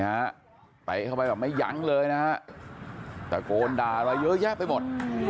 ไปเข้าไปแบบไม่ยั้งเลยนะฮะตะโกนด่าอะไรเยอะแยะไปหมด